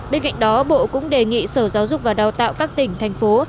bên cạnh đó bộ cũng đề nghị sở giáo dục và đào tạo các tỉnh thành phố